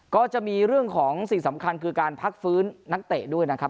ก็จะมีเรื่องของสิ่งสำคัญคือการพักฟื้นนักเตะด้วยนะครับ